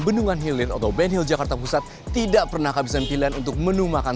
bendungan hillit atau ben hill jakarta pusat tidak pernah kehabisan pilihan untuk menu makan